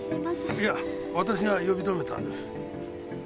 いや私が呼び止めたんです。